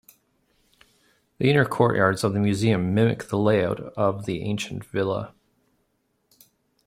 The inner courtyards of the museum mimic the layout of the ancient villa.